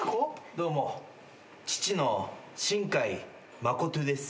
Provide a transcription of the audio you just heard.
どうも父の新海まことぅです。